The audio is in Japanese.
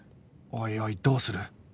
おいおいどうする？